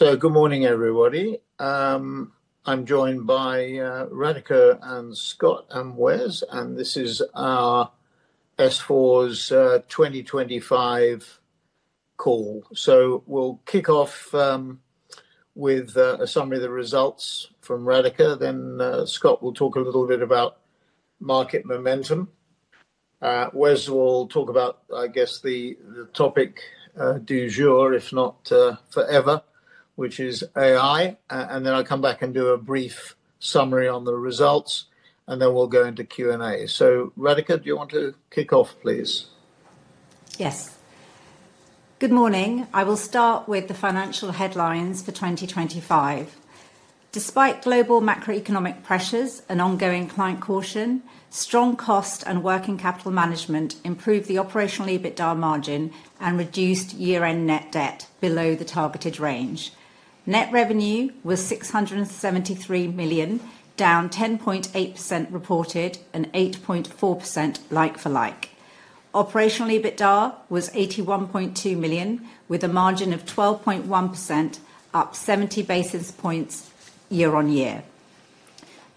Good morning, everybody. I'm joined by Radhika and Scott and Wes, and this is our S4's 2025 call. We'll kick off with a summary of the results from Radhika, then Scott will talk a little bit about market momentum. Wes will talk about, I guess, the topic du jour, if not forever, which is AI. And then I'll come back and do a brief summary on the results, and then we'll go into Q&A. Radhika, do you want to kick off, please? Yes. Good morning. I will start with the financial headlines for 2025. Despite global macroeconomic pressures and ongoing client caution, strong cost and working capital management improved the operational EBITDA margin and reduced year-end net debt below the targeted range. Net revenue was 673 million, down 10.8% reported and 8.4% like-for-like. Operational EBITDA was 81.2 million with a margin of 12.1%, up 70 basis points year-over-year.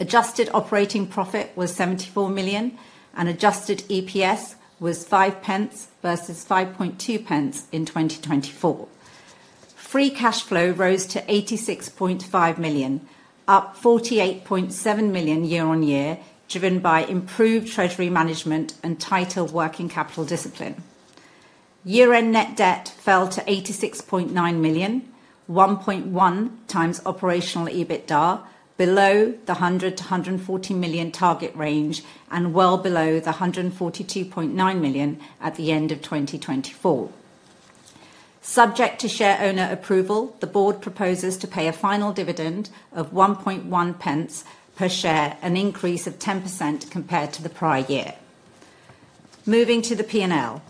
Adjusted operating profit was 74 million and adjusted EPS was 5 pence versus 5.2 pence in 2024. Free cash flow rose to 86.5 million, up 48.7 million year-over-year, driven by improved treasury management and tighter working capital discipline. Year-end net debt fell to 86.9 million, 1.1x operational EBITDA below the 100 million-140 million target range and well below the 142.9 million at the end of 2024. Subject to shareholder approval, the board proposes to pay a final dividend of 1.1 pence per share, an increase of 10% compared to the prior year. Moving to the P&L.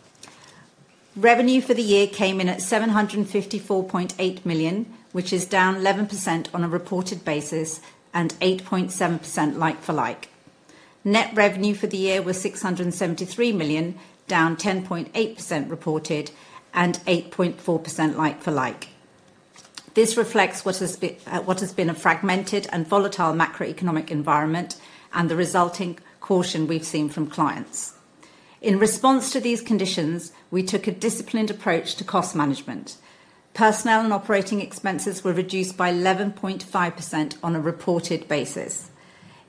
Revenue for the year came in at 754.8 million, which is down 11% on a reported basis and 8.7% like-for-like. Net revenue for the year was 673 million, down 10.8% reported and 8.4% like-for-like. This reflects what has been a fragmented and volatile macroeconomic environment and the resulting caution we've seen from clients. In response to these conditions, we took a disciplined approach to cost management. Personnel and operating expenses were reduced by 11.5% on a reported basis.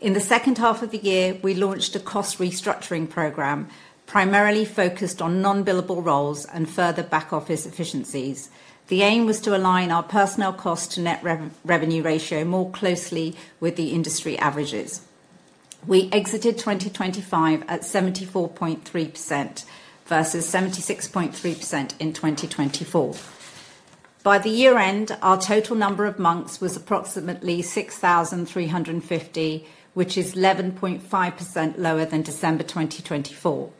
In the second half of the year, we launched a cost restructuring program, primarily focused on non-billable roles and further back office efficiencies. The aim was to align our personnel cost to net revenue ratio more closely with the industry averages. We exited 2025 at 74.3% versus 76.3% in 2024. By the year-end, our total number of Monks was approximately 6,350, which is 11.5% lower than December 2024.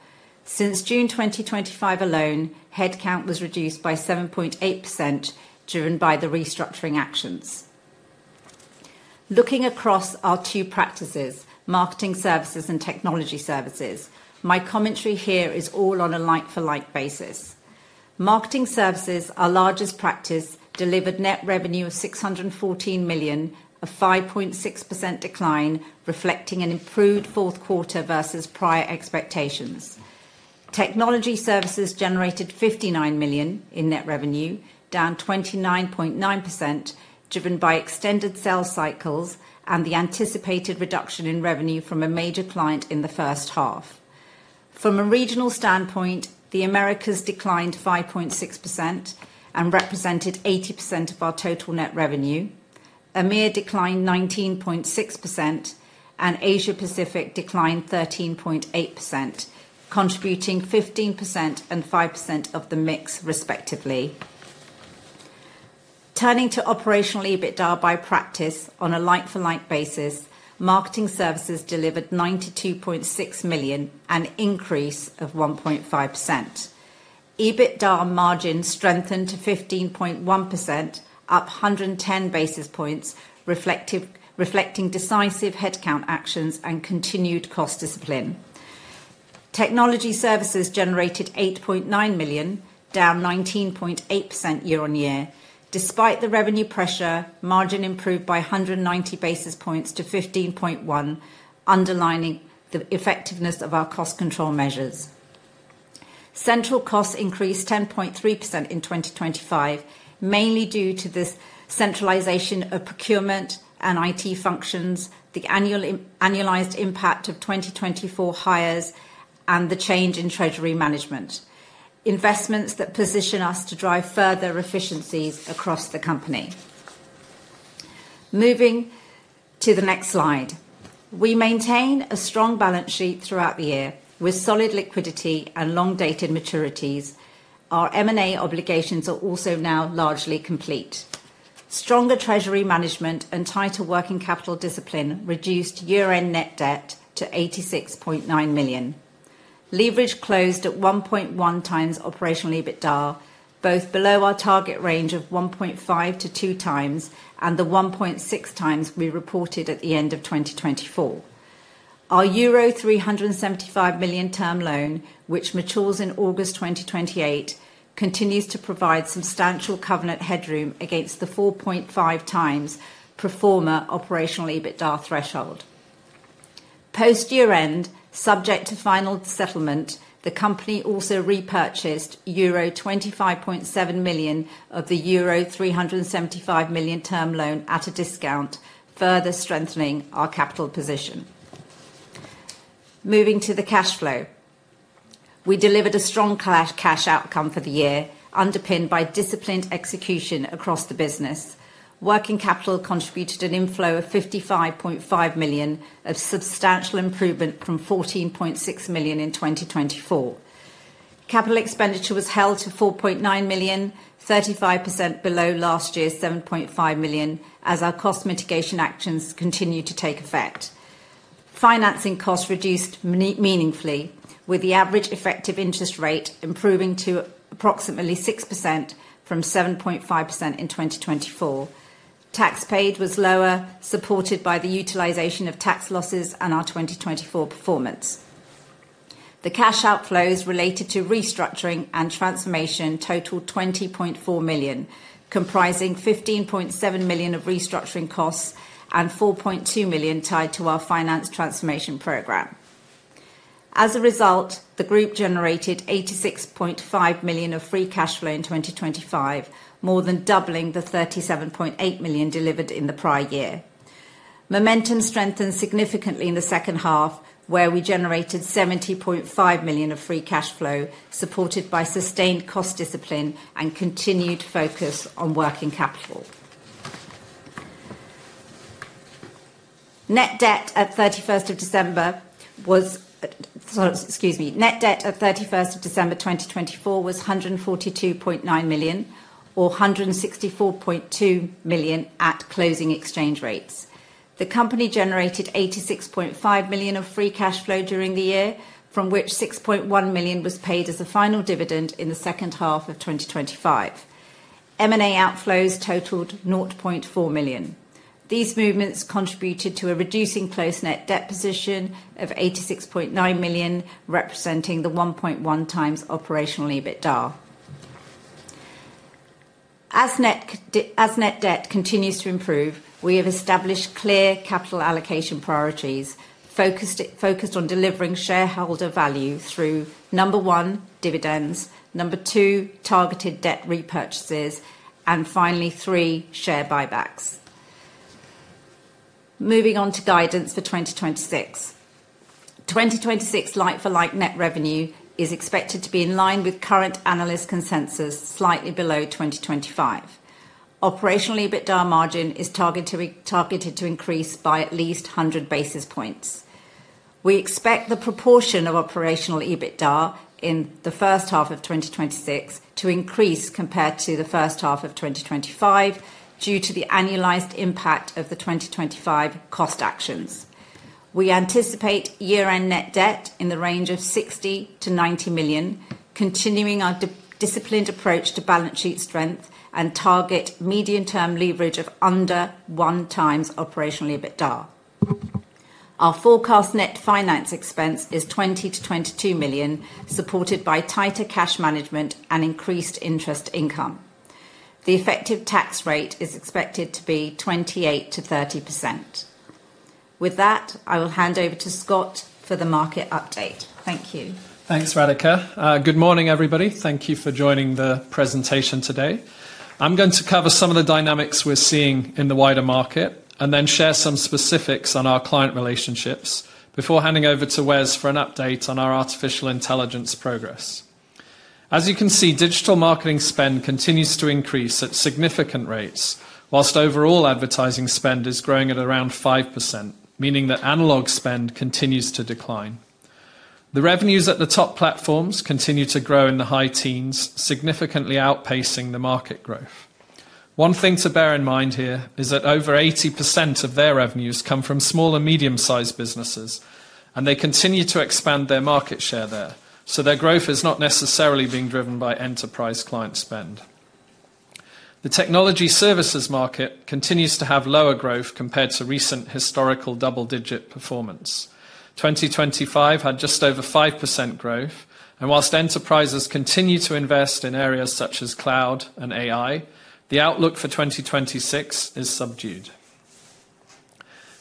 Since June 2025 alone, headcount was reduced by 7.8%, driven by the restructuring actions. Looking across our two practices, Marketing Services and Technology Services, my commentary here is all on a like-for-like basis. Marketing Services, our largest practice, delivered net revenue of 614 million, a 5.6% decline reflecting an improved fourth quarter versus prior expectations. Technology Services generated 59 million in net revenue, down 29.9%, driven by extended sales cycles and the anticipated reduction in revenue from a major client in the first half. From a regional standpoint, the Americas declined 5.6% and represented 80% of our total net revenue. EMEA declined 19.6%, and Asia Pacific declined 13.8%, contributing 15% and 5% of the mix respectively. Turning to operational EBITDA by practice on a like-for-like basis, Marketing Services delivered 92.6 million, an increase of 1.5%. EBITDA margin strengthened to 15.1%, up 110 basis points, reflecting decisive headcount actions and continued cost discipline. Technology Services generated 8.9 million, down 19.8% year-on-year. Despite the revenue pressure, margin improved by 190 basis points to 15.1, underlining the effectiveness of our cost control measures. Central costs increased 10.3% in 2025, mainly due to the centralization of procurement and IT functions, the annualized impact of 2024 hires, and the change in treasury management. Investments that position us to drive further efficiencies across the company. Moving to the next slide. We maintain a strong balance sheet throughout the year with solid liquidity and long-dated maturities. Our M&A obligations are also now largely complete. Stronger treasury management and tighter working capital discipline reduced year-end net debt to 86.9 million. Leverage closed at 1.1 times operational EBITDA, both below our target range of 1.5x to 2x and the 1.6x we reported at the end of 2024. Our euro 375 million term loan, which matures in August 2028, continues to provide substantial covenant headroom against the 4.5x pro forma operational EBITDA threshold. Post-year end, subject to final settlement, the company also repurchased euro 25.7 million of the euro 375 million term loan at a discount, further strengthening our capital position. Moving to the cash flow. We delivered a strong cash outcome for the year, underpinned by disciplined execution across the business. Working capital contributed an inflow of 55.5 million, a substantial improvement from 14.6 million in 2024. Capital expenditure was held to 4.9 million, 35% below last year's 7.5 million, as our cost mitigation actions continue to take effect. Financing costs reduced meaningfully, with the average effective interest rate improving to approximately 6% from 7.5% in 2024. Tax paid was lower, supported by the utilization of tax losses and our 2024 performance. The cash outflows related to restructuring and transformation totaled 20.4 million, comprising 15.7 million of restructuring costs and 4.2 million tied to our finance transformation program. As a result, the group generated 86.5 million of free cash flow in 2025, more than doubling the 37.8 million delivered in the prior year. Momentum strengthened significantly in the second half, where we generated 70.5 million of free cash flow, supported by sustained cost discipline and continued focus on working capital. Net debt at 31st of December 2024 was 142.9 million or 164.2 million at closing exchange rates. The company generated 86.5 million of free cash flow during the year, from which 6.1 million was paid as the final dividend in the second half of 2025. M&A outflows totaled 0.4 million. These movements contributed to a reduced closing net debt position of 86.9 million, representing 1.1x operational EBITDA. As net debt continues to improve, we have established clear capital allocation priorities focused on delivering shareholder value through number one, dividends, number two, targeted debt repurchases, and finally, three, share buybacks. Moving on to guidance for 2026. 2026 like-for-like net revenue is expected to be in line with current analyst consensus, slightly below 2025. Operational EBITDA margin is targeted to increase by at least 100 basis points. We expect the proportion of operational EBITDA in the first half of 2026 to increase compared to the first half of 2025 due to the annualized impact of the 2025 cost actions. We anticipate year-end net debt in the range of 60 million-90 million, continuing our disciplined approach to balance sheet strength and target medium-term leverage of under 1x operational EBITDA. Our forecast net finance expense is 20 million-22 million, supported by tighter cash management and increased interest income. The effective tax rate is expected to be 28%-30%. With that, I will hand over to Scott for the market update. Thank you. Thanks, Radhika. Good morning, everybody. Thank you for joining the presentation today. I'm going to cover some of the dynamics we're seeing in the wider market and then share some specifics on our client relationships before handing over to Wes for an update on our artificial intelligence progress. As you can see, digital marketing spend continues to increase at significant rates, while overall advertising spend is growing at around 5%, meaning that analog spend continues to decline. The revenues at the top platforms continue to grow in the high teens, significantly outpacing the market growth. One thing to bear in mind here is that over 80% of their revenues come from small and medium-sized businesses, and they continue to expand their market share there, so their growth is not necessarily being driven by enterprise client spend. The technology services market continues to have lower growth compared to recent historical double-digit performance. 2025 had just over 5% growth, and while enterprises continue to invest in areas such as cloud and AI, the outlook for 2026 is subdued.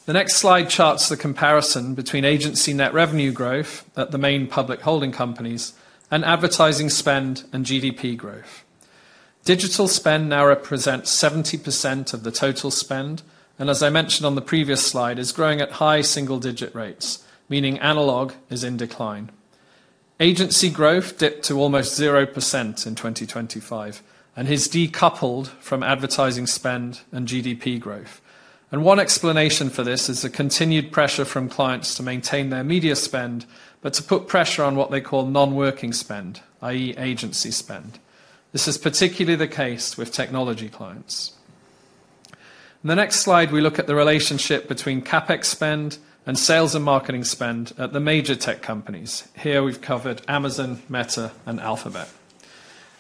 The next slide charts the comparison between agency net revenue growth at the main public holding companies and advertising spend and GDP growth. Digital spend now represents 70% of the total spend, and as I mentioned on the previous slide, is growing at high single-digit rates, meaning analog is in decline. Agency growth dipped to almost 0% in 2025 and has decoupled from advertising spend and GDP growth. One explanation for this is the continued pressure from clients to maintain their media spend, but to put pressure on what they call non-working spend, i.e. agency spend. This is particularly the case with technology clients. In the next slide, we look at the relationship between CapEx spend and sales and marketing spend at the major tech companies. Here we've covered Amazon, Meta, and Alphabet.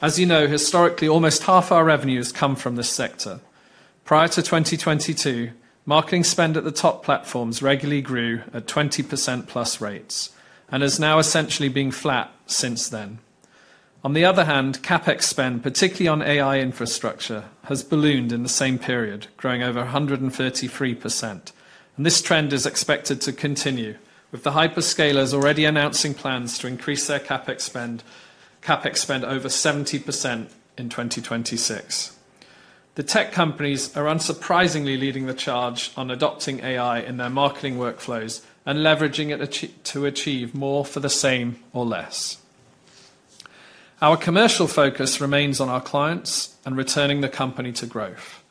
As you know, historically, almost half our revenue has come from this sector. Prior to 2022, marketing spend at the top platforms regularly grew at 20% plus rates, and has now essentially been flat since then. On the other hand, CapEx spend, particularly on AI infrastructure, has ballooned in the same period, growing over 133%. This trend is expected to continue with the hyperscalers already announcing plans to increase their CapEx spend over 70% in 2026. The tech companies are unsurprisingly leading the charge on adopting AI in their marketing workflows and leveraging it to achieve more for the same or less. Our commercial focus remains on our clients and returning the company to growth.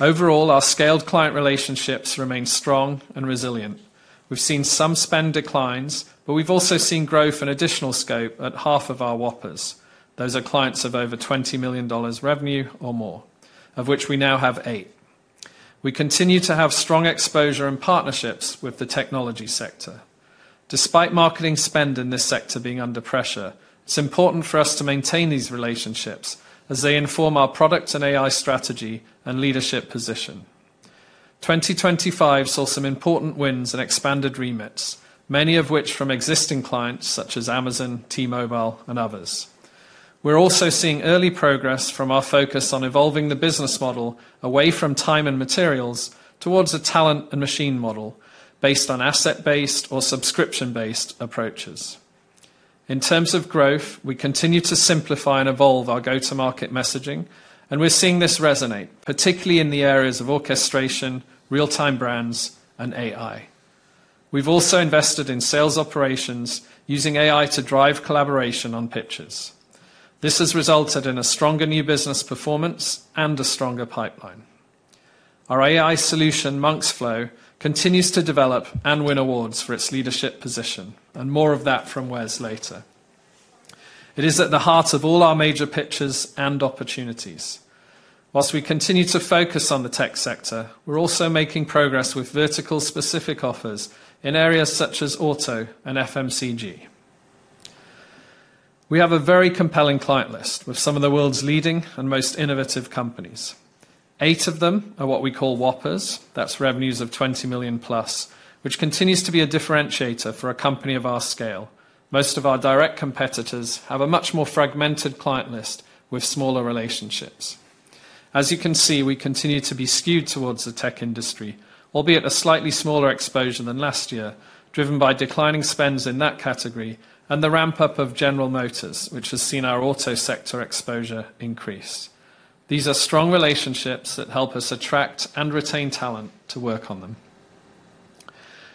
Overall, our scaled client relationships remain strong and resilient. We've seen some spend declines, but we've also seen growth and additional scope at half of our Whoppers. Those are clients of over $20 million revenue or more, of which we now have eight. We continue to have strong exposure and partnerships with the technology sector. Despite marketing spend in this sector being under pressure, it's important for us to maintain these relationships as they inform our product and AI strategy and leadership position. 2025 saw some important wins and expanded remits, many of which from existing clients such as Amazon, T-Mobile and others. We're also seeing early progress from our focus on evolving the business model away from time and materials towards a talent and machine model based on asset-based or subscription-based approaches. In terms of growth, we continue to simplify and evolve our go-to-market messaging, and we're seeing this resonate, particularly in the areas of orchestration, real-time brands and AI. We've also invested in sales operations using AI to drive collaboration on pitches. This has resulted in a stronger new business performance and a stronger pipeline. Our AI solution, Monks.Flow, continues to develop and win awards for its leadership position, and more of that from Wes later. It is at the heart of all our major pitches and opportunities. Whilst we continue to focus on the tech sector, we're also making progress with vertical specific offers in areas such as auto and FMCG. We have a very compelling client list with some of the world's leading and most innovative companies. Eight of them are what we call whoppers. That's revenues of $20 million+, which continues to be a differentiator for a company of our scale. Most of our direct competitors have a much more fragmented client list with smaller relationships. As you can see, we continue to be skewed towards the tech industry, albeit a slightly smaller exposure than last year, driven by declining spends in that category and the ramp-up of General Motors, which has seen our auto sector exposure increase. These are strong relationships that help us attract and retain talent to work on them.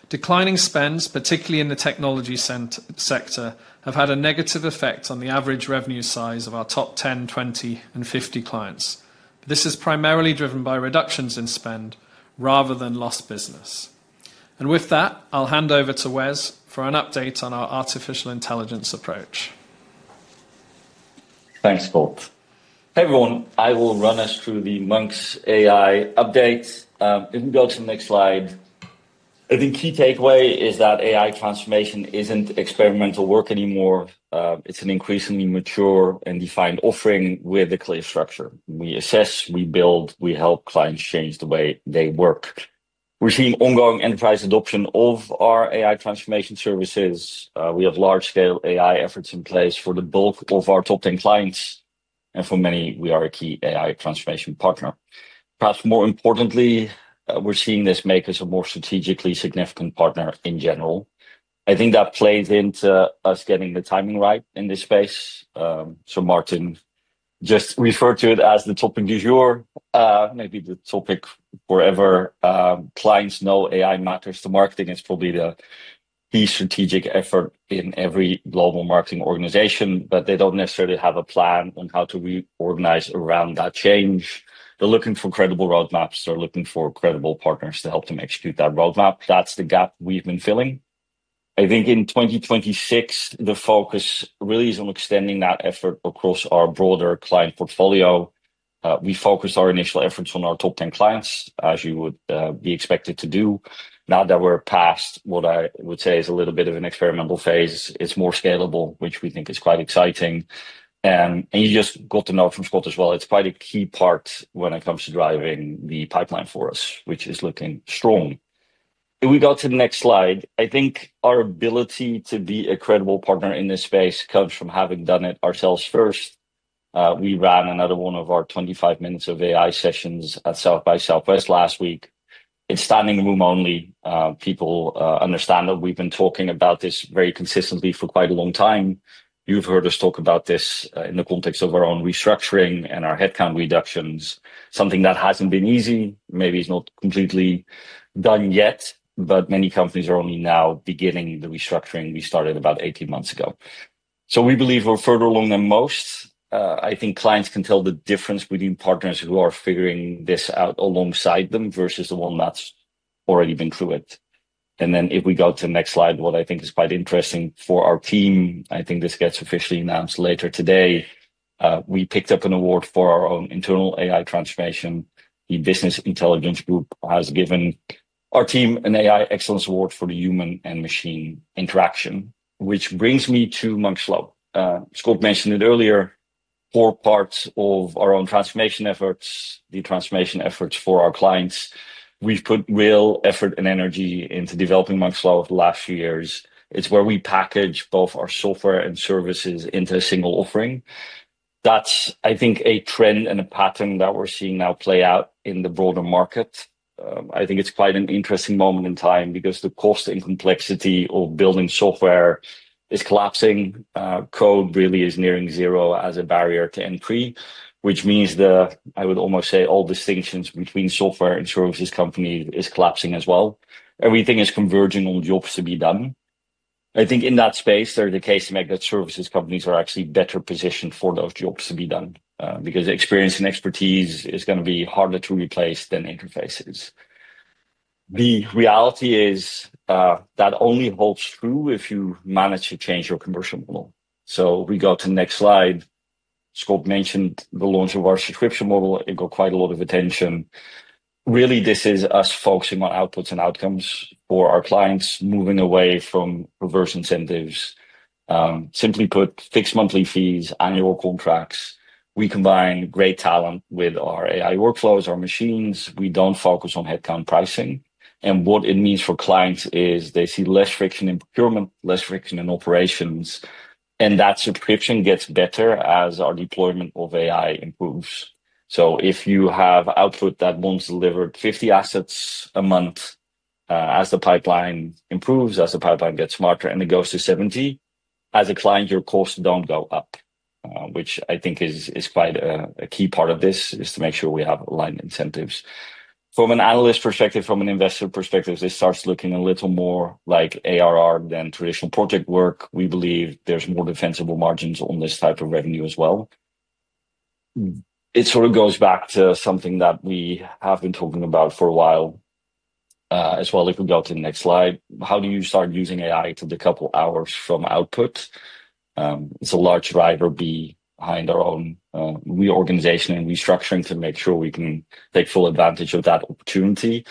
Declining spends, particularly in the technology sector, have had a negative effect on the average revenue size of our top 10, 20, and 50 clients. This is primarily driven by reductions in spend rather than lost business. With that, I'll hand over to Wes for an update on our artificial intelligence approach. Thanks, Scott. Hey, everyone. I will run us through the Monks AI update. If we go to the next slide. The key takeaway is that AI transformation isn't experimental work anymore. It's an increasingly mature and defined offering with a clear structure. We assess, we build, we help clients change the way they work. We're seeing ongoing enterprise adoption of our AI transformation services. We have large scale AI efforts in place for the bulk of our top 10 clients, and for many, we are a key AI transformation partner. Perhaps more importantly, we're seeing this make us a more strategically significant partner in general. I think that plays into us getting the timing right in this space. Sir Martin just referred to it as the topic du jour. Maybe the topic wherever, clients know AI matters to marketing. It's probably the strategic effort in every global marketing organization, but they don't necessarily have a plan on how to reorganize around that change. They're looking for credible roadmaps. They're looking for credible partners to help them execute that roadmap. That's the gap we've been filling. I think in 2026, the focus really is on extending that effort across our broader client portfolio. We focused our initial efforts on our top 10 clients, as you would be expected to do. Now that we're past what I would say is a little bit of an experimental phase, it's more scalable, which we think is quite exciting. You just got to know from Scott as well, it's quite a key part when it comes to driving the pipeline for us, which is looking strong. If we go to the next slide. I think our ability to be a credible partner in this space comes from having done it ourselves first. We ran another one of our 25 minutes of AI sessions at South by Southwest last week. It's standing room only. People understand that we've been talking about this very consistently for quite a long time. You've heard us talk about this in the context of our own restructuring and our headcount reductions, something that hasn't been easy, maybe is not completely done yet, but many companies are only now beginning the restructuring we started about 18 months ago. We believe we're further along than most. I think clients can tell the difference between partners who are figuring this out alongside them versus the one that's already been through it. Then if we go to the next slide, what I think is quite interesting for our team, I think this gets officially announced later today. We picked up an award for our own internal AI transformation. The Business Intelligence Group has given our team an AI Excellence Award for the human and machine interaction, which brings me to Monks.Flow. Scott mentioned it earlier, core parts of our own transformation efforts, the transformation efforts for our clients. We've put real effort and energy into developing Monks.Flow over the last few years. It's where we package both our software and services into a single offering. That's, I think, a trend and a pattern that we're seeing now play out in the broader market. I think it's quite an interesting moment in time because the cost and complexity of building software is collapsing. Code really is nearing zero as a barrier to entry, which means the, I would almost say all distinctions between software and services company is collapsing as well. Everything is converging on jobs to be done. I think in that space, there is a case to make that services companies are actually better positioned for those jobs to be done, because experience and expertise is gonna be harder to replace than interfaces. The reality is, that only holds true if you manage to change your commercial model. If we go to next slide. Scott mentioned the launch of our subscription model. It got quite a lot of attention. Really, this is us focusing on outputs and outcomes for our clients, moving away from reverse incentives. Simply put, fixed monthly fees, annual contracts. We combine great talent with our AI workflows, our machines. We don't focus on headcount pricing. What it means for clients is they see less friction in procurement, less friction in operations, and that subscription gets better as our deployment of AI improves. If you have output that once delivered 50 assets a month, as the pipeline improves, as the pipeline gets smarter, and it goes to 70, as a client, your costs don't go up. Which I think is quite a key part of this, is to make sure we have aligned incentives. From an analyst perspective, from an investor perspective, this starts looking a little more like ARR than traditional project work. We believe there's more defensible margins on this type of revenue as well. It sort of goes back to something that we have been talking about for a while, as well. If we go to the next slide. How do you start using AI to decouple hours from output? It's a large driver behind our own reorganization and restructuring to make sure we can take full advantage of that opportunity.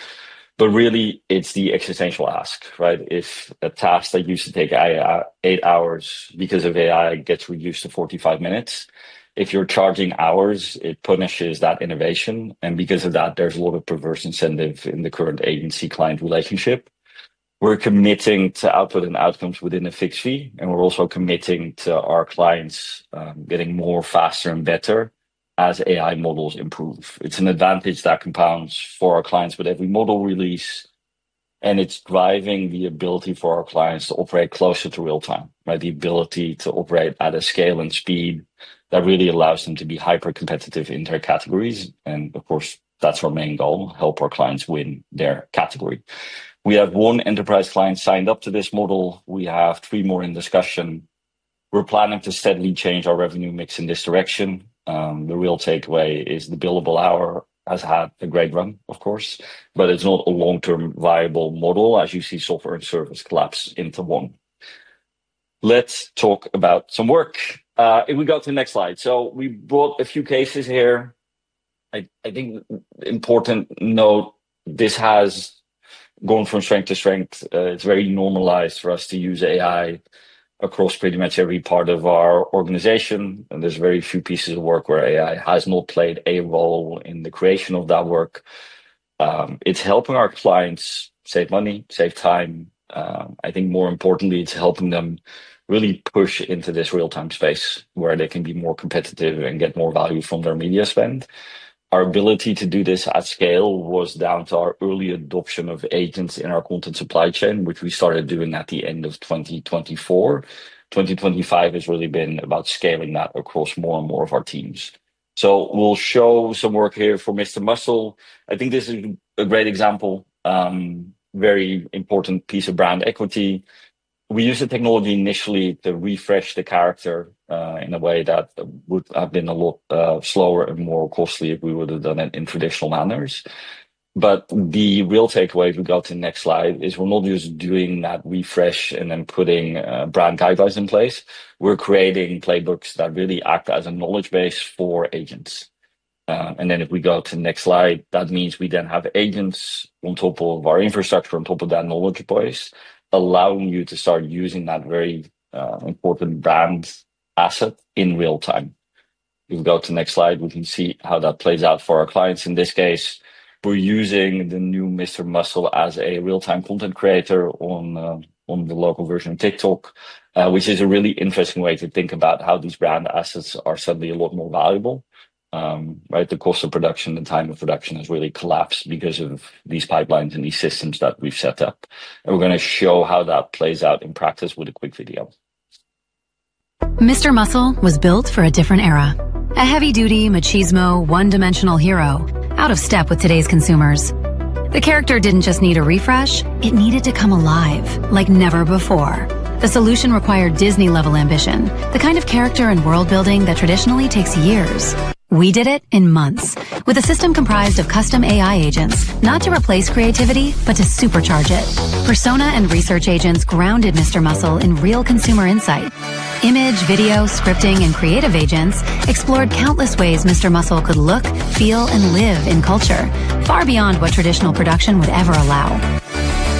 Really, it's the existential ask, right? If a task that used to take eight hours gets reduced to 45 minutes because of AI, if you're charging hours, it punishes that innovation. Because of that, there's a lot of perverse incentive in the current agency-client relationship. We're committing to output and outcomes within a fixed fee, and we're also committing to our clients getting more, faster and better as AI models improve. It's an advantage that compounds for our clients with every model release, and it's driving the ability for our clients to operate closer to real time, right? The ability to operate at a scale and speed that really allows them to be hyper-competitive in their categories. Of course, that's our main goal, help our clients win their category. We have one enterprise client signed up to this model. We have three more in discussion. We're planning to steadily change our revenue mix in this direction. The real takeaway is the billable hour has had a great run, of course, but it's not a long-term viable model as you see software and service collapse into one. Let's talk about some work. If we go to the next slide. We brought a few cases here. I think important note, this has gone from strength to strength. It's very normalized for us to use AI across pretty much every part of our organization, and there's very few pieces of work where AI has not played a role in the creation of that work. It's helping our clients save money, save time. I think more importantly, it's helping them really push into this real-time space where they can be more competitive and get more value from their media spend. Our ability to do this at scale was down to our early adoption of agents in our content supply chain, which we started doing at the end of 2024. 2025 has really been about scaling that across more and more of our teams. We'll show some work here for Mr Muscle. I think this is a great example, very important piece of brand equity. We used the technology initially to refresh the character in a way that would have been a lot slower and more costly if we would have done it in traditional manners. The real takeaway, if we go to the next slide, is we're not just doing that refresh and then putting brand guidelines in place. We're creating playbooks that really act as a knowledge base for agents. If we go to the next slide, that means we then have agents on top of our infrastructure, on top of that knowledge base, allowing you to start using that very important brand asset in real time. If we go to the next slide, we can see how that plays out for our clients. In this case, we're using the new Mr Muscle as a real-time content creator on the local version of TikTok, which is a really interesting way to think about how these brand assets are suddenly a lot more valuable. Right? The cost of production, the time of production has really collapsed because of these pipelines and these systems that we've set up. We're gonna show how that plays out in practice with a quick video. Mr Muscle was built for a different era. A heavy duty, machismo, one-dimensional hero out of step with today's consumers. The character didn't just need a refresh, it needed to come alive like never before. The solution required Disney-level ambition, the kind of character and world building that traditionally takes years. We did it in months with a system comprised of custom AI agents, not to replace creativity, but to supercharge it. Persona and research agents grounded Mr Muscle in real consumer insight. Image, video, scripting, and creative agents explored countless ways Mr Muscle could look, feel, and live in culture far beyond what traditional production would ever allow.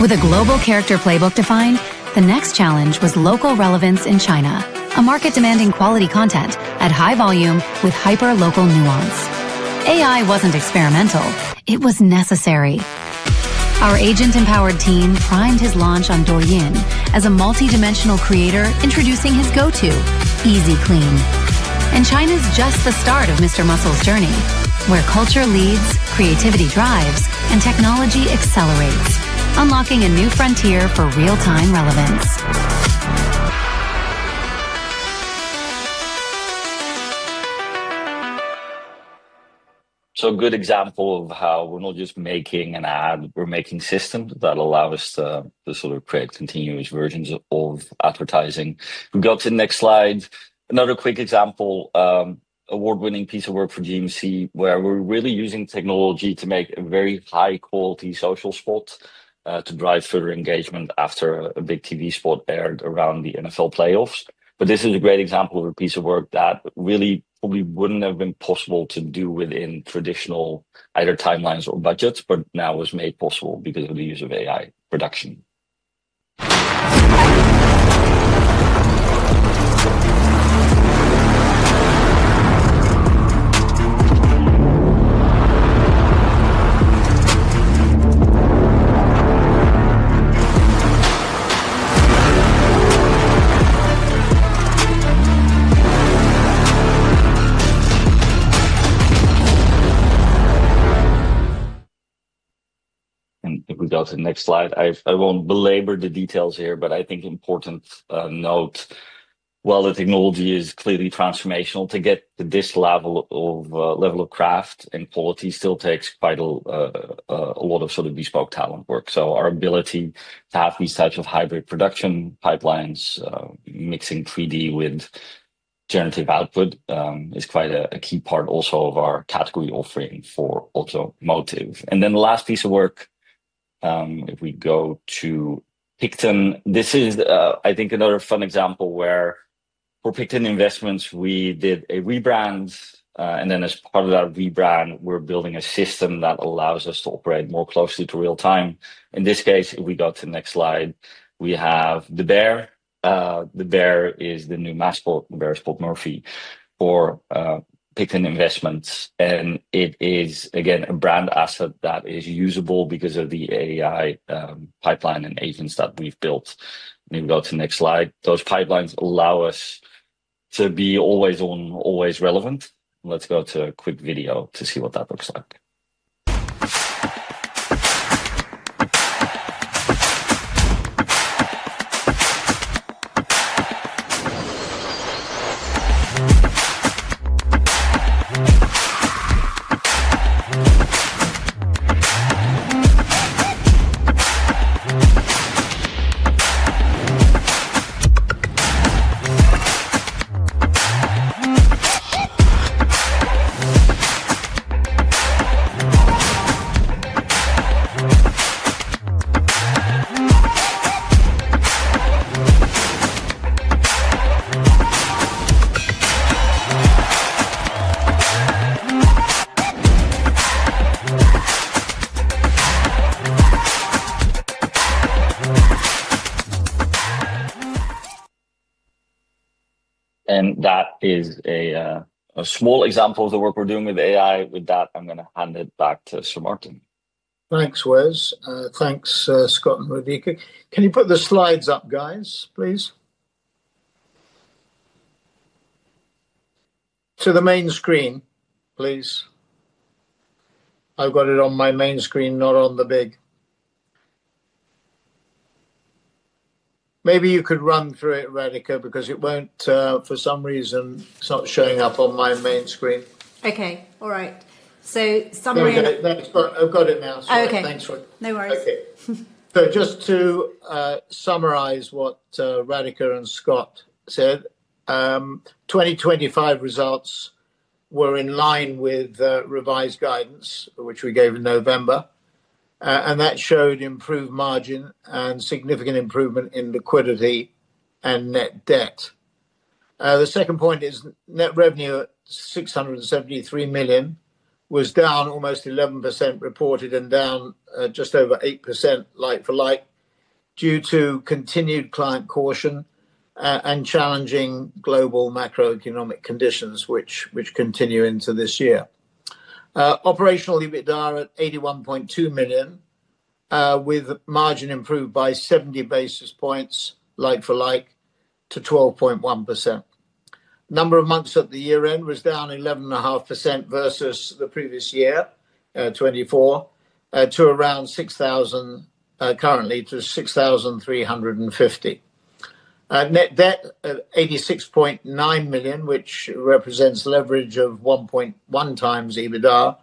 With a global character playbook defined, the next challenge was local relevance in China, a market demanding quality content at high volume with hyper-local nuance. AI wasn't experimental. It was necessary. Our agent-empowered team primed his launch on Douyin as a multidimensional creator, introducing his go-to, Easy Clean. China's just the start of Mr Muscle's journey, where culture leads, creativity drives, and technology accelerates, unlocking a new frontier for real-time relevance. A good example of how we're not just making an ad, we're making systems that allow us to sort of create continuous versions of advertising. If we go to the next slide. Another quick example, award-winning piece of work for GMC, where we're really using technology to make a very high-quality social spot to drive further engagement after a big TV spot aired around the NFL playoffs. This is a great example of a piece of work that really probably wouldn't have been possible to do within traditional either timelines or budgets, but now was made possible because of the use of AI production. If we go to the next slide. I won't belabor the details here, but I think important note. While the technology is clearly transformational, to get to this level of craft and quality still takes quite a lot of sort of bespoke talent work. Our ability to have these types of hybrid production pipelines, mixing 3D with generative output, is quite a key part also of our category offering for automotive. The last piece of work, if we go to PICTON. This is, I think another fun example where for PICTON Investments, we did a rebrand. And then as part of that rebrand, we're building a system that allows us to operate more closely to real time. In this case, if we go to next slide, we have the bear. The bear is the new mascot, Bear Spot Murphy, for PICTON Investments, and it is again a brand asset that is usable because of the AI pipeline and agents that we've built. If we go to next slide. Those pipelines allow us to be always on, always relevant. Let's go to a quick video to see what that looks like. That is a small example of the work we're doing with AI. With that, I'm gonna hand it back to Sir Martin. Thanks, Wes. Thanks, Scott and Radhika. Can you put the slides up, guys, please? To the main screen, please. I've got it on my main screen. Maybe you could run through it, Radhika, because it won't, for some reason it's not showing up on my main screen. Okay. All right. Summary. No, that's. I've got it now. Okay. Thanks, Rad. No worries. Okay. Just to summarize what Radhika and Scott said, 2025 results were in line with revised guidance, which we gave in November. That showed improved margin and significant improvement in liquidity and net debt. The second point is net revenue at 673 million was down almost 11% reported and down just over 8% like-for-like, due to continued client caution and challenging global macroeconomic conditions which continue into this year. Operational EBITDA at 81.2 million, with margin improved by 70 basis points like-for-like to 12.1%. Headcount at the year-end was down 11.5% versus the previous year, 2024, to around 6,000, currently to 6,350. Net debt of 86.9 million, which represents leverage of 1.1x EBITDA,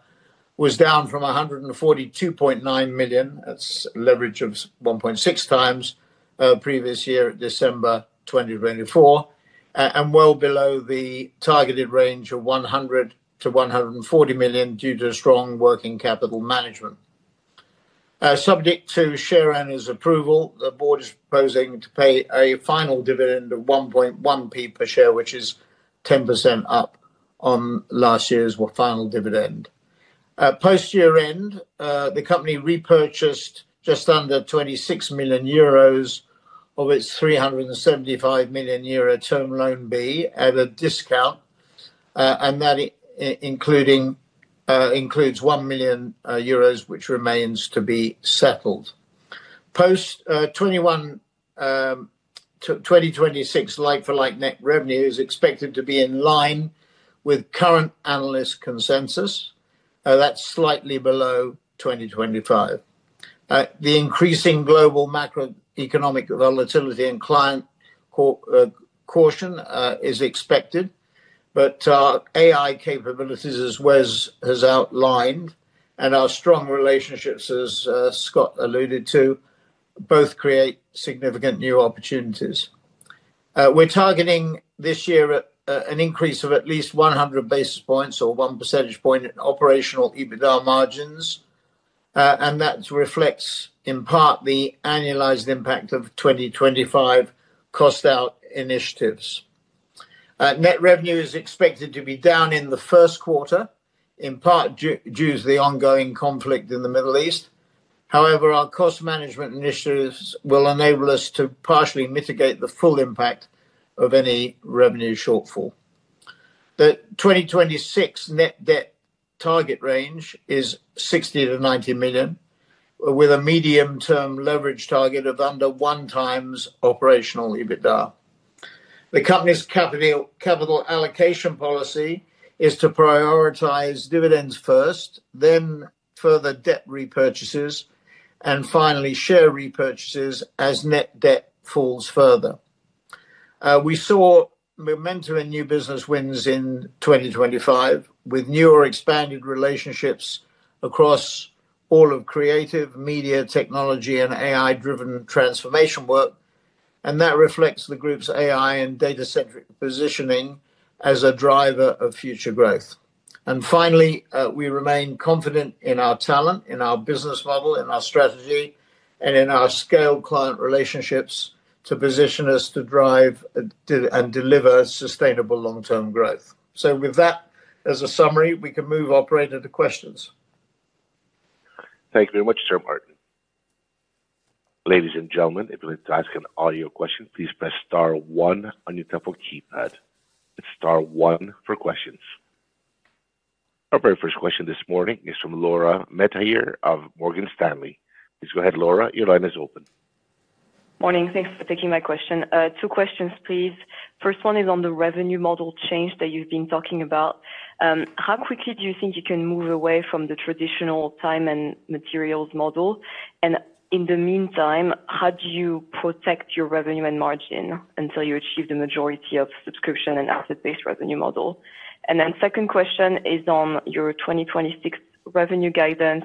was down from 142.9 million. That's leverage of 1.6x previous year at December 2024, and well below the targeted range of 100 million-140 million due to strong working capital management. Subject to shareholders' approval, the board is proposing to pay a final dividend of 1.1p per share, which is 10% up on last year's final dividend. Post-year-end, the company repurchased just under 26 million euros of its 375 million euro term loan B at a discount, and that includes 1 million euros, which remains to be settled. Post 2021, 2026 like-for-like net revenue is expected to be in line with current analyst consensus. That's slightly below 2025. The increasing global macroeconomic volatility and client caution is expected. AI capabilities, as Wes has outlined, and our strong relationships as Scott alluded to, both create significant new opportunities. We're targeting this year at an increase of at least 100 basis points or one percentage point in operational EBITDA margins, and that reflects in part the annualized impact of 2025 cost out initiatives. Net revenue is expected to be down in the first quarter, in part due to the ongoing conflict in the Middle East. However, our cost management initiatives will enable us to partially mitigate the full impact of any revenue shortfall. The 2026 net debt target range is 60 million-90 million, with a medium-term leverage target of under 1x operational EBITDA. The company's capital allocation policy is to prioritize dividends first, then further debt repurchases, and finally share repurchases as net debt falls further. We saw momentum in new business wins in 2025, with new or expanded relationships across all of creative, media, technology, and AI-driven transformation work, and that reflects the group's AI and data-centric positioning as a driver of future growth. We remain confident in our talent, in our business model, in our strategy, and in our scale client relationships to position us to drive and deliver sustainable long-term growth. With that as a summary, we can now move to the operator for questions. Thank you very much, Sir Martin. Ladies and gentlemen, if you'd like to ask an audio question, please press star one on your telephone keypad. It's star one for questions. Our very first question this morning is from Laura Metayer of Morgan Stanley. Please go ahead, Laura, your line is open. Morning. Thanks for taking my question. Two questions, please. First one is on the revenue model change that you've been talking about. How quickly do you think you can move away from the traditional time and materials model? In the meantime, how do you protect your revenue and margin until you achieve the majority of subscription and asset-based revenue model? Second question is on your 2026 revenue guidance.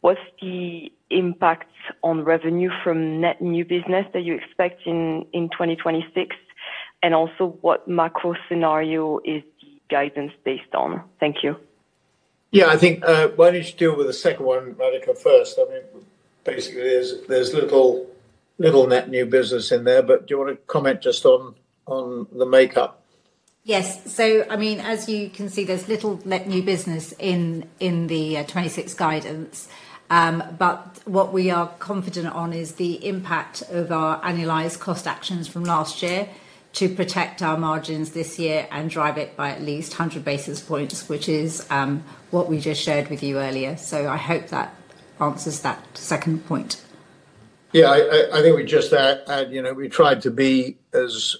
What's the impact on revenue from net new business that you expect in 2026? Also what macro scenario is the guidance based on? Thank you. Yeah. I think why don't you deal with the second one, Radhika, first? I mean, basically, there's little net new business in there, but do you wanna comment just on the makeup? Yes. I mean, as you can see, there's little net new business in the 2026 guidance. What we are confident on is the impact of our annualized cost actions from last year to protect our margins this year and drive it by at least 100 basis points, which is what we just shared with you earlier. I hope that answers that second point. Yeah. I think we just add, you know, we tried to be as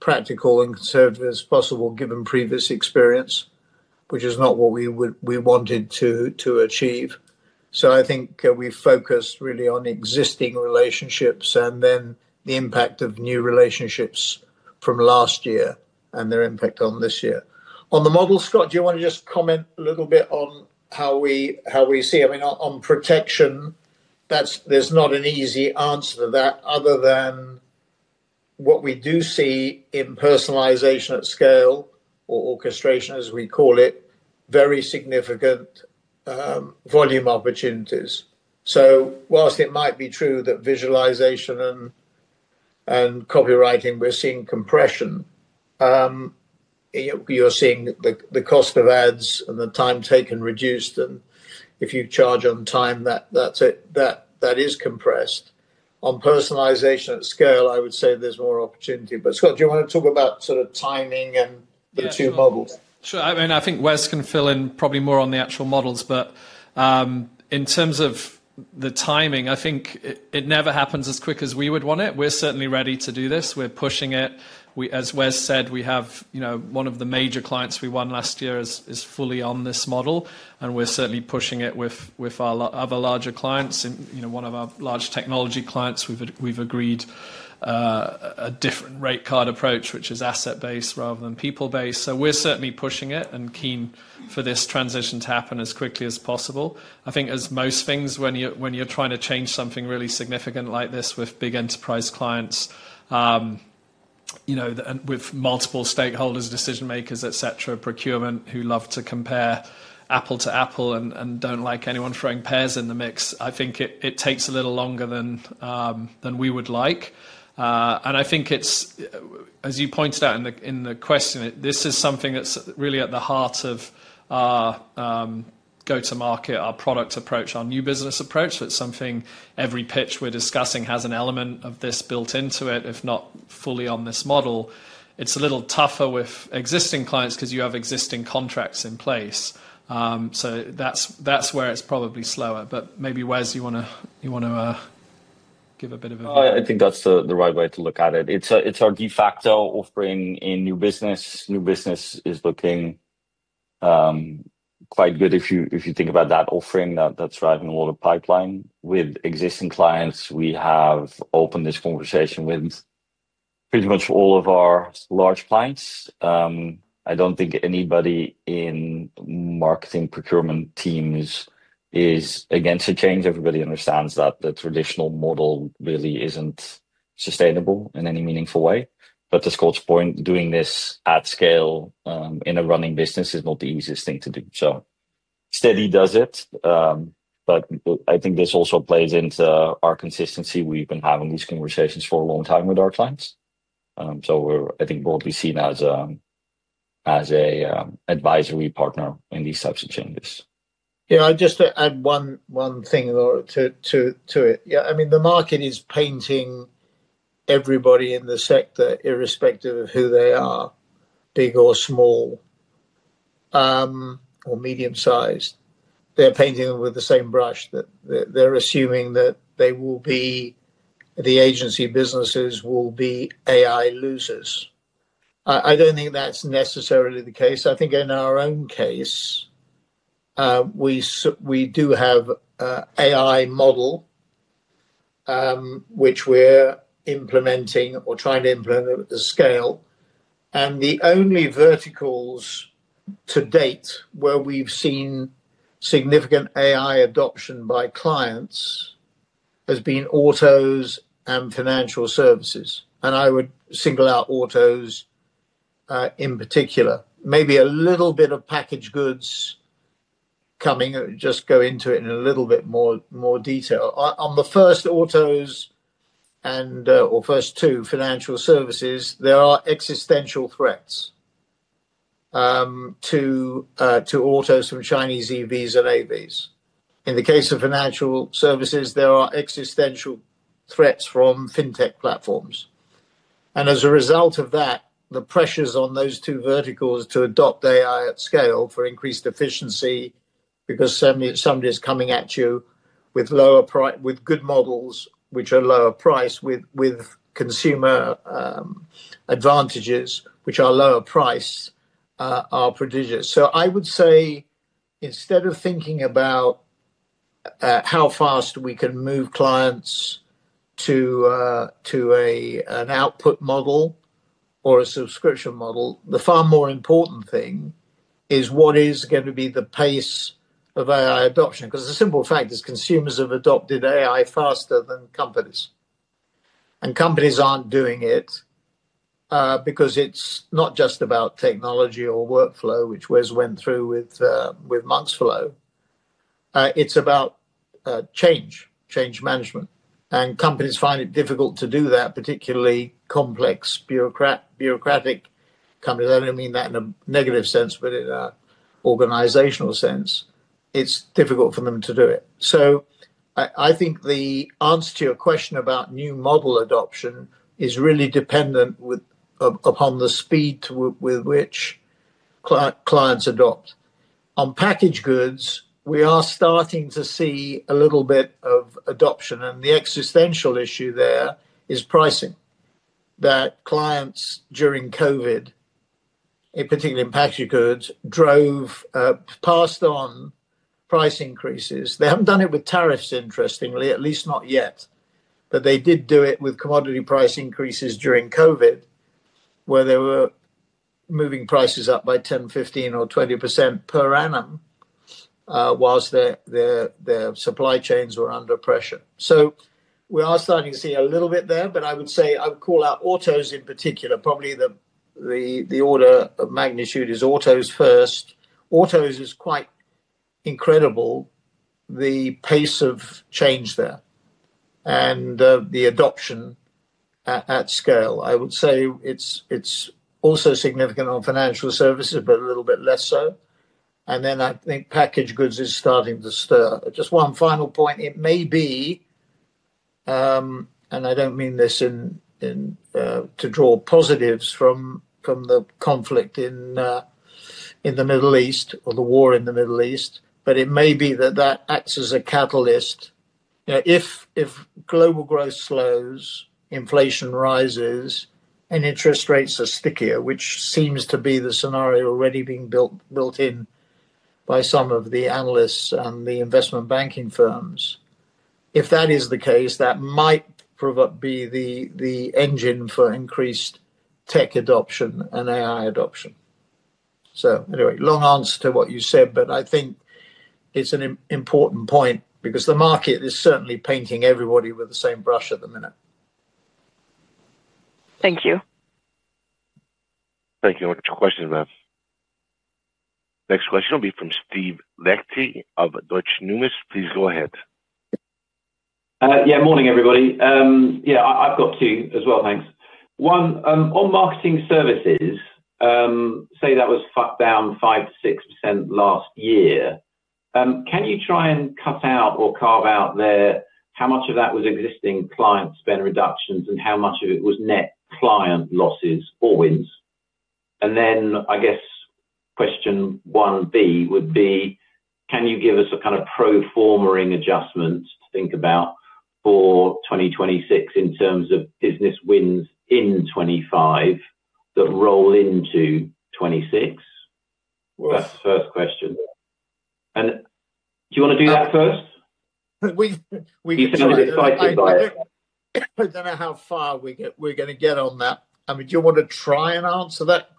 practical and conservative as possible given previous experience, which is not what we wanted to achieve. I think we focus really on existing relationships and then the impact of new relationships from last year and their impact on this year. On the model, Scott, do you wanna just comment a little bit on how we see it? I mean, on protection, that's. There's not an easy answer to that other than what we do see in personalization at scale or orchestration, as we call it, very significant volume opportunities. While it might be true that visualization and copywriting, we're seeing compression, you're seeing the cost of ads and the time taken reduced, and if you charge on time that's it. That is compressed. On personalization at scale, I would say there's more opportunity. Scott, do you wanna talk about sort of timing and the two models? Sure. I mean, I think Wes can fill in probably more on the actual models. In terms of the timing, I think it never happens as quick as we would want it. We're certainly ready to do this. We're pushing it. As Wes said, we have, you know, one of the major clients we won last year is fully on this model, and we're certainly pushing it with our other larger clients. You know, one of our large technology clients, we've agreed a different rate card approach, which is asset-based rather than people-based. We're certainly pushing it and keen for this transition to happen as quickly as possible. I think as most things, when you're trying to change something really significant like this with big enterprise clients, you know, and with multiple stakeholders, decision-makers, et cetera, procurement, who love to compare apples to apples and don't like anyone throwing pears in the mix, it takes a little longer than we would like. I think it's, as you pointed out in the question, this is something that's really at the heart of our go-to-market, our product approach, our new business approach. It's something every pitch we're discussing has an element of this built into it, if not fully on this model. It's a little tougher with existing clients 'cause you have existing contracts in place. That's where it's probably slower. Maybe, Wes, you wanna give a bit of a– I think that's the right way to look at it. It's our de facto offering in new business. New business is looking quite good if you think about that offering, that's driving a lot of pipeline. With existing clients, we have opened this conversation with pretty much all of our large clients. I don't think anybody in marketing procurement teams is against the change. Everybody understands that the traditional model really isn't sustainable in any meaningful way. To Scott's point, doing this at scale, in a running business is not the easiest thing to do. Steady does it, but I think this also plays into our consistency. We've been having these conversations for a long time with our clients. We're, I think, broadly seen as an advisory partner in these types of changes. Yeah, just to add one thing, Laura, to it. Yeah, I mean, the market is painting everybody in the sector, irrespective of who they are, big or small, or medium-sized. They're painting with the same brush that they're assuming that the agency businesses will be AI losers. I don't think that's necessarily the case. I think in our own case, we do have an AI model, which we're implementing or trying to implement at the scale. The only verticals to date where we've seen significant AI adoption by clients has been autos and financial services. I would single out autos in particular. Maybe a little bit of packaged goods coming. Just go into it in a little bit more detail. In the first two, autos and financial services, there are existential threats to autos from Chinese EVs and AVs. In the case of financial services, there are existential threats from fintech platforms. As a result of that, the pressures on those two verticals to adopt AI at scale for increased efficiency because somebody's coming at you with good models which are lower price with consumer advantages which are lower price are prodigious. I would say instead of thinking about how fast we can move clients to an output model or a subscription model, the far more important thing is what is gonna be the pace of AI adoption. 'Cause the simple fact is consumers have adopted AI faster than companies. Companies aren't doing it because it's not just about technology or workflow, which Wes went through with Monks.Flow. It's about change management. Companies find it difficult to do that, particularly complex bureaucratic companies. I don't mean that in a negative sense, but in an organizational sense. It's difficult for them to do it. I think the answer to your question about new model adoption is really dependent upon the speed with which clients adopt. On packaged goods, we are starting to see a little bit of adoption, and the existential issue there is pricing. That clients during COVID, in particular in packaged goods, passed on price increases. They haven't done it with tariffs, interestingly, at least not yet. They did do it with commodity price increases during COVID, where they were moving prices up by 10%, 15%, or 20% per annum, whilst their supply chains were under pressure. We are starting to see a little bit there, but I would say I would call out autos in particular. Probably the order of magnitude is autos first. Autos is quite incredible, the pace of change there and the adoption at scale. I would say it's also significant on financial services, but a little bit less so. Then I think packaged goods is starting to stir. Just one final point. It may be, and I don't mean to draw positives from the conflict in the Middle East or the war in the Middle East, but it may be that acts as a catalyst. If global growth slows, inflation rises, and interest rates are stickier, which seems to be the scenario already being built in by some of the analysts and the investment banking firms. If that is the case, that might be the engine for increased tech adoption and AI adoption. Anyway, long answer to what you said, but I think it's an important point because the market is certainly painting everybody with the same brush at the minute. Thank you. Thank you. Thank you for the question, ma'am. Question will be from Steve Liechti of Deutsche Numis. Please go ahead. Yeah, morning, everybody. I've got two as well, thanks. One, on Marketing Services, say that was down 5%-6% last year, can you try and cut out or carve out there how much of that was existing client spend reductions and how much of it was net client losses or wins? Then I guess question one B would be: Can you give us a kind of pro forma adjustments to think about for 2026 in terms of business wins in 2025 that roll into 2026? Well That's the first question. Do you wanna do that first? We, we You seem to be excited by it. I don't know how far we're gonna get on that. I mean, do you wanna try and answer that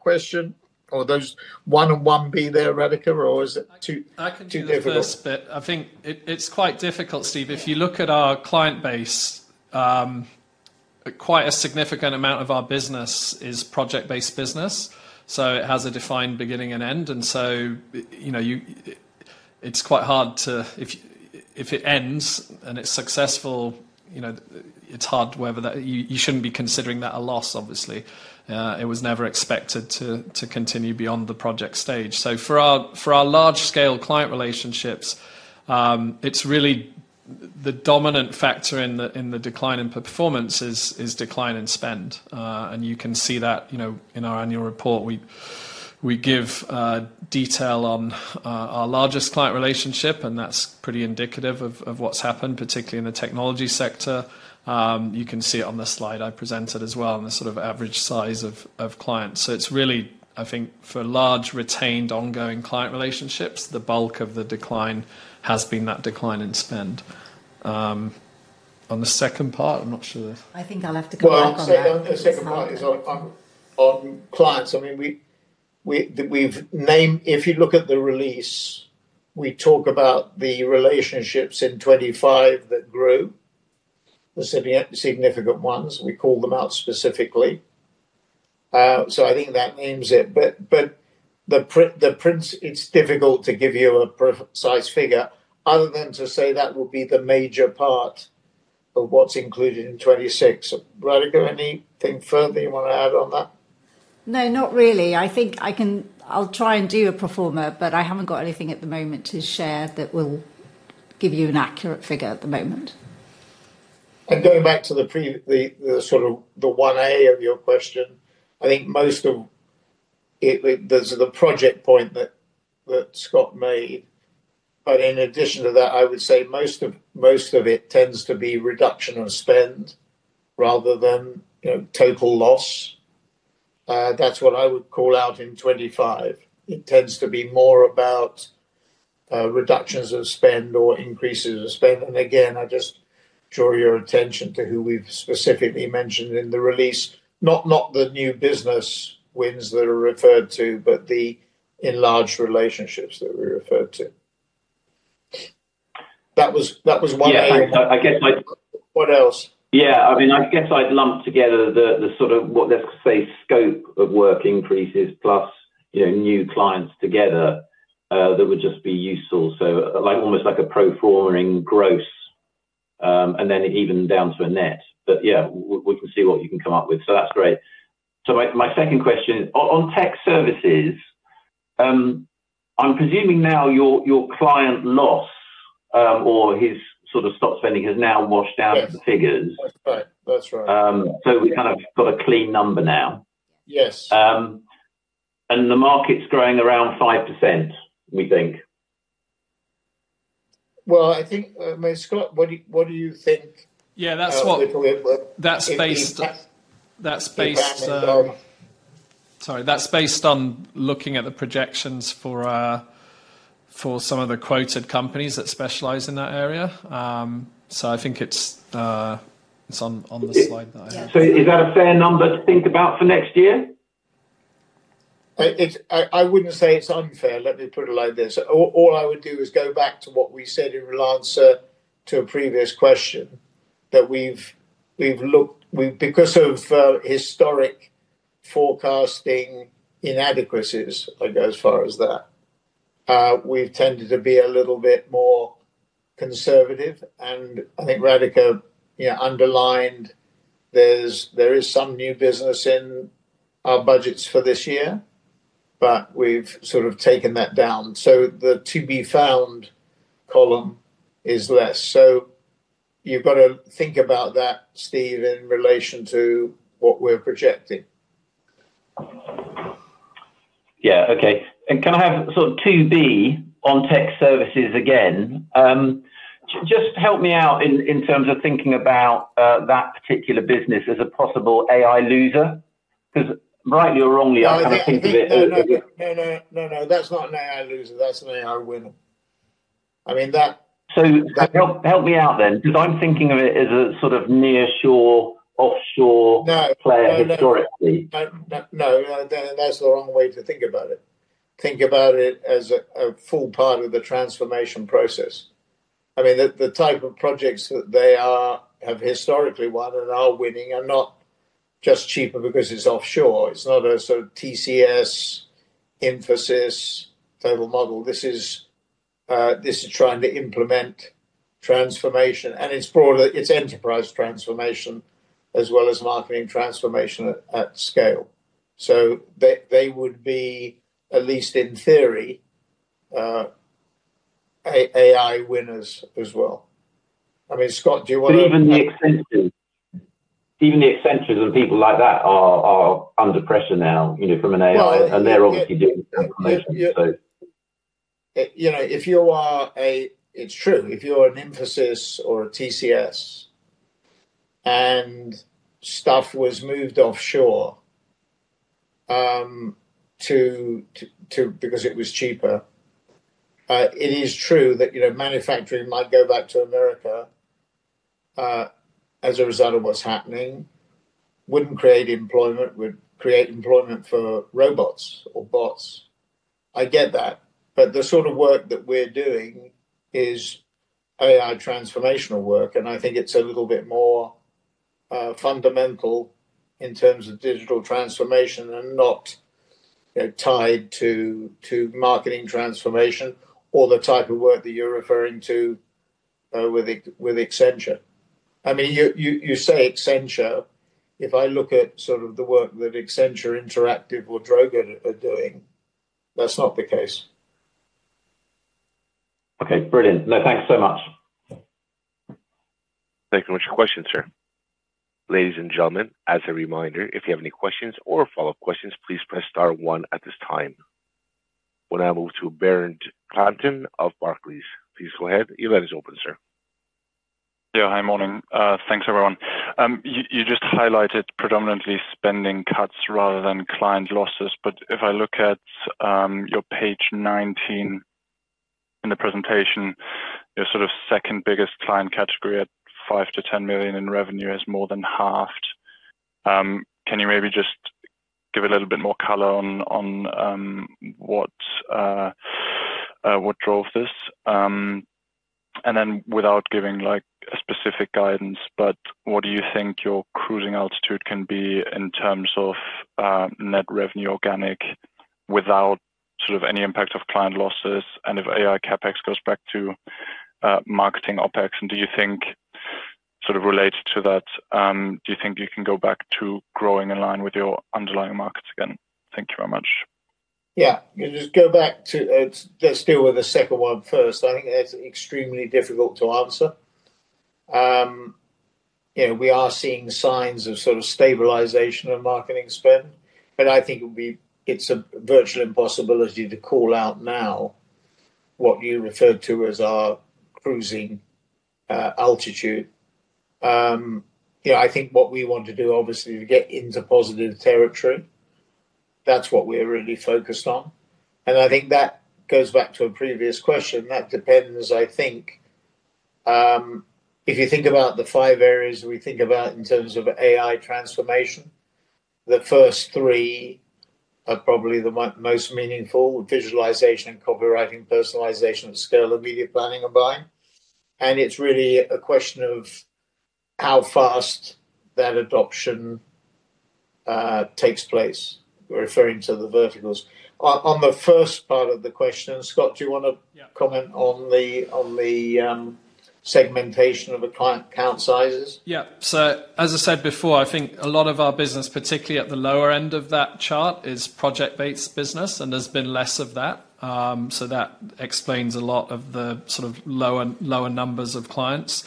question or those one and one B there, Radhika, or is it too difficult? I can do the first bit. I think it's quite difficult, Steve. If you look at our client base, quite a significant amount of our business is project-based business. It has a defined beginning and end. If it ends and it's successful, you know, you shouldn't be considering that a loss, obviously. It was never expected to continue beyond the project stage. For our large-scale client relationships, it's really the dominant factor in the decline in performance is decline in spend. You can see that, you know, in our annual report. We give detail on our largest client relationship, and that's pretty indicative of what's happened, particularly in the technology sector. You can see it on the slide I presented as well, on the sort of average size of clients. It's really, I think, for large retained ongoing client relationships, the bulk of the decline has been that decline in spend. On the second part, I'm not sure if– I think I'll have to come back on that. Well, on the second part is on clients, I mean, we've named. If you look at the release, we talk about the relationships in 2025 that grew, the significant ones, and we call them out specifically. So I think that names it. But it's difficult to give you a precise figure other than to say that will be the major part of what's included in 2026. Radhika, anything further you wanna add on that? No, not really. I think I can. I'll try and do a pro forma, but I haven't got anything at the moment to share that will give you an accurate figure at the moment. Going back to the sort of the one A of your question, I think most of it, there's the project point that Scott made. In addition to that, I would say most of it tends to be reduction of spend rather than, you know, total loss. That's what I would call out in 2025. It tends to be more about reductions of spend or increases of spend. I just draw your attention to who we've specifically mentioned in the release, not the new business wins that are referred to, but the enlarged relationships that we referred to. That was one Yeah. I guess my– What else? Yeah. I mean, I guess I'd lump together the sort of, let's say, scope of work increases plus, you know, new clients together, that would just be useful. Like almost like a pro forma-ing gross, and then even down to a net. Yeah, we can see what you can come up with. That's great. My second question. On Technology Services, I'm presuming now your client loss, or its sort of stop spending has now washed out of the figures. That's right. That's right. We kind of got a clean number now. Yes. The market's growing around 5%, we think. Well, I think, Scott, what do you think? Yeah, that's what We probably have That's based Sorry. That's based on looking at the projections for some of the quoted companies that specialize in that area. I think it's on the slide that I have. Is that a fair number to think about for next year? I wouldn't say it's unfair, let me put it like this. All I would do is go back to what we said in answer to a previous question, that we've looked. Because of historic forecasting inadequacies, I'd go as far as that, we've tended to be a little bit more conservative. I think Radhika, you know, underlined there's some new business in our budgets for this year, but we've sort of taken that down. The to be found column is less. You've got to think about that, Steve, in relation to what we're projecting. Yeah. Okay. Can I have sort of [2 billion] on tech services again? Just help me out in terms of thinking about that particular business as a possible AI loser. 'Cause rightly or wrongly, I kind of think of it No. That's not an AI loser. That's an AI winner. I mean, that Help me out then, 'cause I'm thinking of it as a sort of nearshore, offshore. No. Player historically. No. That's the wrong way to think about it. Think about it as a full part of the transformation process. I mean, the type of projects that they have historically won and are winning are not just cheaper because it's offshore. It's not a sort of TCS, Infosys type of model. This is trying to implement transformation, and it's broader. It's enterprise transformation as well as marketing transformation at scale. They would be, at least in theory, AI winners as well. I mean, Scott, do you wanna– Even the Accenture and people like that are under pressure now, you know, from an AI Well, I think They're obviously doing transformations, so. You know, it's true. If you're an Infosys or a TCS, and stuff was moved offshore because it was cheaper, it is true that, you know, manufacturing might go back to America as a result of what's happening. Wouldn't create employment. Would create employment for robots or bots. I get that. The sort of work that we're doing is AI transformational work, and I think it's a little bit more fundamental in terms of digital transformation and not, you know, tied to marketing transformation or the type of work that you're referring to with Accenture. I mean, you say Accenture. If I look at sort of the work that Accenture Interactive or Droga are doing, that's not the case. Okay. Brilliant. No, thanks so much. Thank you very much for your question, sir. Ladies and gentlemen, as a reminder, if you have any questions or follow-up questions, please press star one at this time. We'll now move to Bernd Klanten of Barclays. Please go ahead. Your line is open, sir. Hi, morning. Thanks everyone. You just highlighted predominantly spending cuts rather than client losses, if I look at your page 19 in the presentation, your sort of second-biggest client category at 5 million-10 million in revenue has more than halved. Can you maybe just give a little bit more color on what drove this? Without giving, like, a specific guidance, what do you think your cruising altitude can be in terms of net revenue organic without sort of any impact of client losses and if AI CapEx goes back to marketing OpEx? Do you think, sort of related to that, you can go back to growing in line with your underlying markets again? Thank you very much. Yeah. Just go back to, let's deal with the second one first. I think that's extremely difficult to answer. You know, we are seeing signs of sort of stabilization of marketing spend, but I think it's a virtual impossibility to call out now what you referred to as our cruising altitude. You know, I think what we want to do, obviously, to get into positive territory. That's what we're really focused on. I think that goes back to a previous question. That depends, I think, if you think about the five areas we think about in terms of AI transformation, the first three are probably the most meaningful: visualization, copywriting, personalization, scale of media planning and buying. It's really a question of how fast that adoption takes place, referring to the verticals. On the first part of the question, Scott, do you wanna Yeah. Comment on the segmentation of the client count sizes? Yeah. As I said before, I think a lot of our business, particularly at the lower end of that chart, is project-based business, and there's been less of that. That explains a lot of the sort of lower numbers of clients.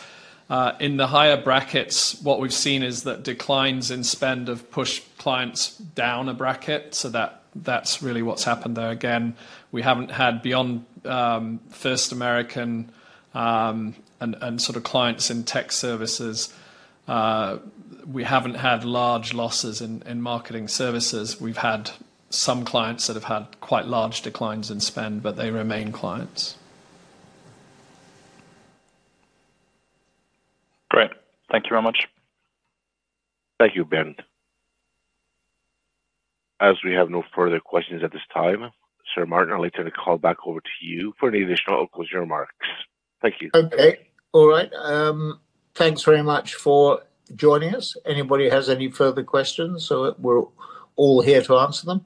In the higher brackets, what we've seen is that declines in spend have pushed clients down a bracket, so that's really what's happened there. Again, we haven't had beyond First American and sort of clients in tech services. We haven't had large losses in marketing services. We've had some clients that have had quite large declines in spend, but they remain clients. Great. Thank you very much. Thank you, Bernd. As we have no further questions at this time, Sir Martin, I'd like to hand the call back over to you for any additional or closing remarks. Thank you. Okay. All right. Thanks very much for joining us. Anybody has any further questions or what? We're all here to answer them.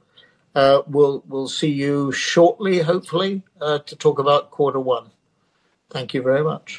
We'll see you shortly, hopefully, to talk about quarter one. Thank you very much.